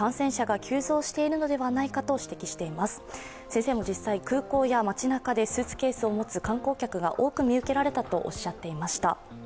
先生も実際空港や町なかでスーツケースを持つ観光客が多く見受けられたとおっしゃっていました。